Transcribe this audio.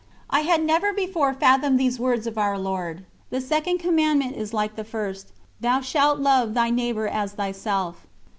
I had never before fathomed these words of Our Lord: "The second commandment is like to the first: Thou shalt love thy neighbour as thyself."